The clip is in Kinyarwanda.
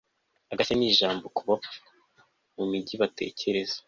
Agashya nijambo kubapfu mumijyi batekereza